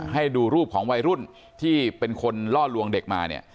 ให้ดูรูปของวัยรุ่นที่เป็นคนล่อลวงเด็กมาเนี่ย